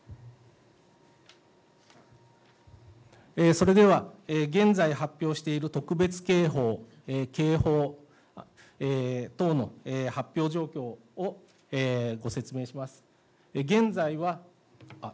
それでは、現在発表している特別警報、警報等の発表状況をご説明します。